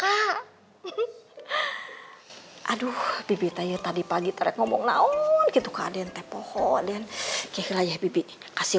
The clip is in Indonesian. ya aduh bibit tadi pagi teriak ngomong naon gitu ke aden tepoh den kira kira ya bibit kasih